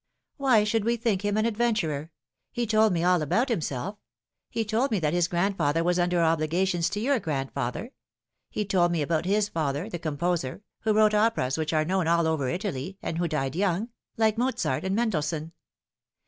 " Why should we think him an adventurer ? lie told me all about himself. He told me that his grandfather was under obligations to your grandfather. He told me about his father, the composer, who wrote operas which are known all over Italy, and who died young, like Mozart and Mendelssohn.